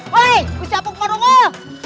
woi gusti amuk parungul